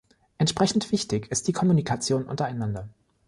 Entsprechend wichtig ist die Kommunikation untereinander.